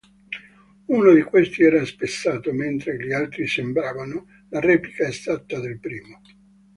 Uno di questi era spezzato, mentre gli altri sembravano la replica esatta del primo.